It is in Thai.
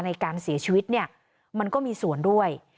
ในการเสียชีวิตเนี่ยมันก็มีส่วนด้วย